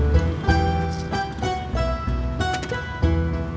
mungkin gue iri